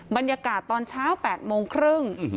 บรรยากาศตอนเช้า๘โมงครึ่ง